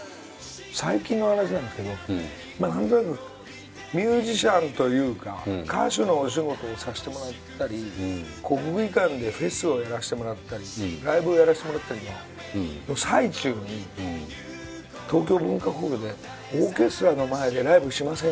最近の話なんですけどなんとなくミュージシャンというか歌手のお仕事をさせてもらったり国技館でフェスをやらせてもらったりライブをやらせてもらったりの最中に東京文化ホールでオーケストラの前でライブをしませんか？